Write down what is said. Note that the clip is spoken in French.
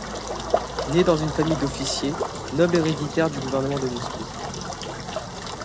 Né dans une famille d’officier, noble héréditaire du gouvernement de Moscou.